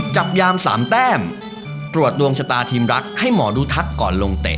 จับยามสามแต้มตรวจดวงชะตาทีมรักให้หมอดูทักก่อนลงเตะ